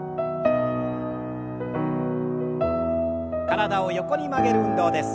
体を横に曲げる運動です。